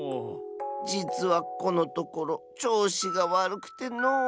じつはこのところちょうしがわるくてのう。